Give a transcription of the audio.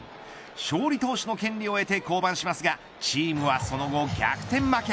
勝利投手の権利を得て降板しますがチームはその後、逆転負け。